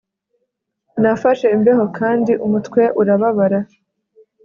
Nafashe imbeho kandi umutwe urababara